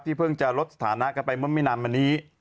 เพิ่งจะลดสถานะกันไปเมื่อไม่นานมานี้